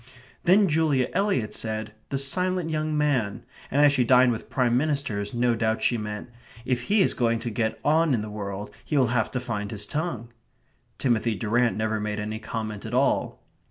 Then Julia Eliot said "the silent young man," and as she dined with Prime Ministers, no doubt she meant: "If he is going to get on in the world, he will have to find his tongue." Timothy Durrant never made any comment at all.